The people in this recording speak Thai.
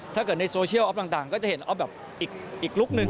ถ้าเกิดในโซเชียลออฟต่างก็จะเห็นออฟอฟแบบอีกลุ๊กหนึ่ง